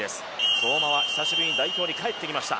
相馬は久しぶりに代表に帰ってきました。